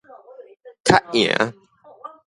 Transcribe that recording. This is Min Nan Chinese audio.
較贏